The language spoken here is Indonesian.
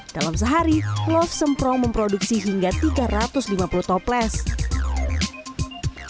dalam sehari love semprong memproduksi hingga tiga ratus lima puluh toples